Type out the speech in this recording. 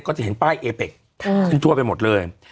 ก็จะเห็นป้ายเอเป็กขึ้นทั่วไปหมดเลย